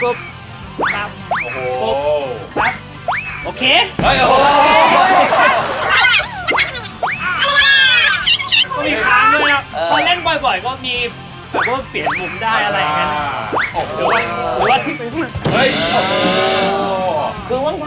ก็มีค้างด้วยครับพอเล่นบ่อยก็มีแบบว่าเปลี่ยนมุมได้อะไรอย่างนี้